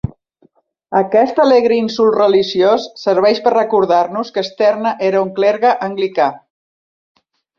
Aquest alegre insult religiós serveix per a recordar-nos que Sterne era un clergue anglicà.